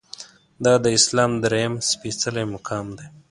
دا د اسلام درېیم سپیڅلی مقام دی.